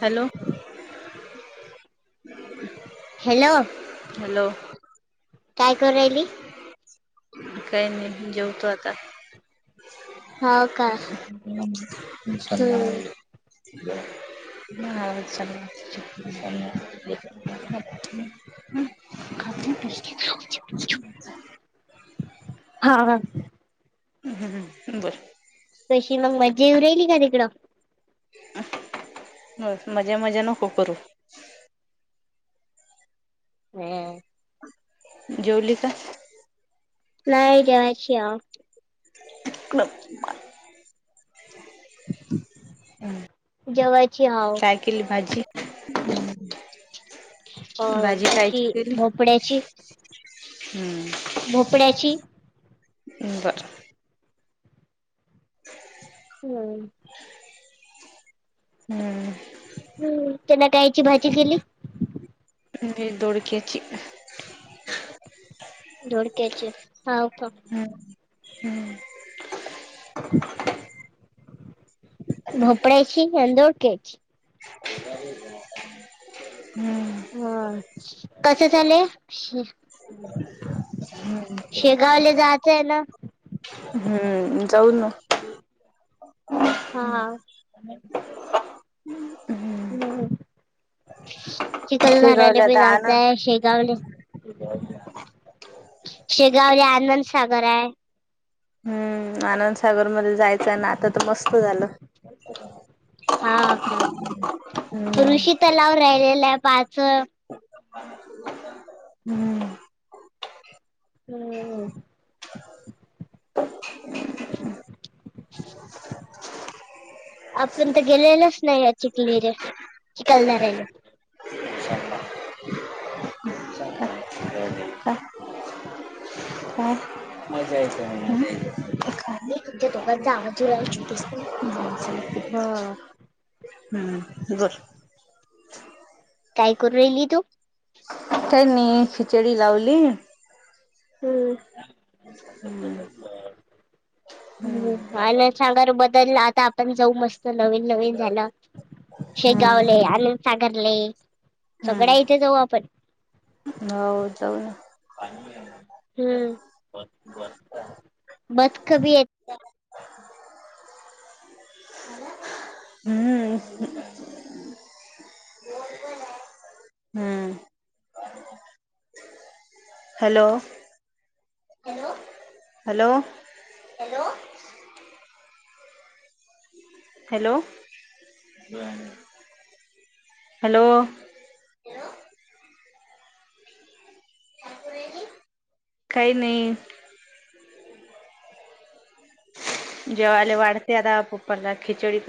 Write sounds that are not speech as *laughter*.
Hello! *inaudible* Hello!, hello! काय करू राहिली कराली? काय नाही जेवतो आता. हा हो काय हम्, हो. *unintelligible* चालेल *unintelligible* हा हा. ह ह बरं. तशी मग मजा येऊ राहिली का तिकडं? मजा, मजा नको करू. हा. जेवली का? नाही जेवायची आ. *unintelligible* जेवायची हाव. काय केली भाजी? अ भाजी कायची त्याची केली, भोपड्याची हम्म. भोपळ्याची. हम्म बरं. हम्. हम्म. हम्म त्याला कायची भाजी केली? मी धोडक्याची. धोडक्याची हा. हम् हम्म. *inaudible* भोपळ्याची आणि धोडक्यायची. *inaudible* हम्म. हो, कस झालंय? हम्म. शेगावले जायचंय आहे ना? ह् जाऊ ना. हा, हम्म. चिखलदराले शेगावला पण आता आनंद जायचय शेगावले शेगावले आनंद सागर आहे. हम्म आनंदसागर मध्ये जायचं ना आता तर मस्त झालं. हा आता, हम्म. ऋषी तलाव राहिलेलं आहे पाच. हम्म. हम्म. हा हा *inaudible* आपण तर गेलेलच नाही चिखली रे काय? चिखलदऱ्याला. मजयच *unintelligible* त त्या आजला आ चूप बस ना. हा हम्म बोल. काय करू राहिली तू. काय नाही खिचडी लावली. हम्. हम्म मला सांग र बदल आता आपण जाऊ मस्त नवीन नवीन झालं. शेगावले आनंदसागरले सगळ्या इथे जाऊ आपण. हो जाऊन. हम् बतक बी येत. हम्म. हम्म hello, hello, hello, hello, hello, hello, काही नाही, जेवाले वाढते आता पप्पाला खिचोडी कर''--''